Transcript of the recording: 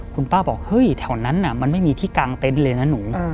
คุณป้าบอกเฮ้ยแถวนั้นมันไม่มีที่กลางเต็นต์เลยนะหนู